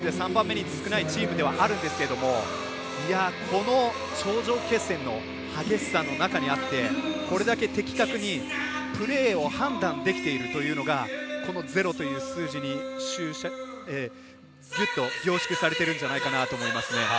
リーグで３番目に少ないチームではあるんですけど頂上決戦の激しさの中にあってこれだけ的確にプレーを判断できているというのがこのゼロという数字に凝縮されてるんじゃないかと思います。